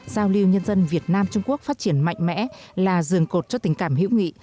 giao lưu nhân dân việt nam trung quốc phát triển mạnh mẽ là dường cột cho tình cảm hữu nghị